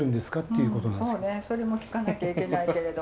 そうねそれも聞かなきゃいけないけれど。